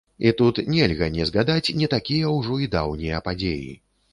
І тут нельга не згадаць не такія ўжо і даўнія падзеі.